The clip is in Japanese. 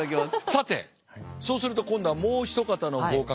さてそうすると今度はもう一方の合格者。